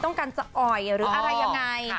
ต้องการจะอ่อยหรืออะไรยังไง